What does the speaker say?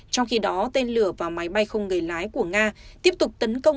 trong khi đó tên lửa vào máy bay không người lái của nga tiếp tục tấn công